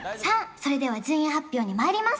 それでは順位発表にまいります